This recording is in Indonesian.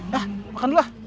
hah makan dulu lah